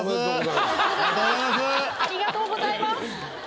ありがとうございます。